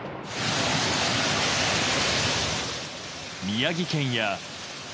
宮城県や。